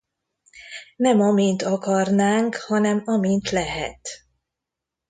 Nem amint akarnánk, hanem amint lehet.